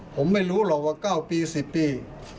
ผมไม่รู้หรอกว่า๙ปี๑๐ปี